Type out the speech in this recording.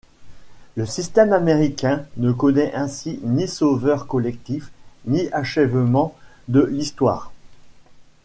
Le système américain ne connaît ainsi ni sauveur collectif ni achèvement de l’histoire.